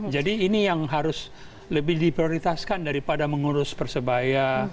jadi ini yang harus lebih diprioritaskan daripada mengurus persebaya